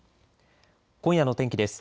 今夜の天気です。